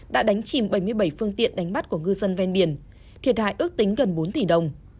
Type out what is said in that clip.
đã đánh chìm bảy mươi bảy phương tiện đánh bắt của ngư dân ven biển thiệt hại ước tính gần bốn tỷ đồng